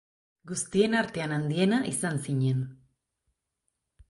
Guztien artean handiena izan zinen.